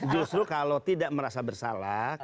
justru kalau tidak merasa bersalah